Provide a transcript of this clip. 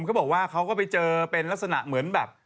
เขาบอกว่าเขาก็ไปเจอเป็นลักษณะเหมือนแบบ